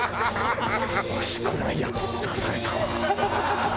おいしくないやつ出された。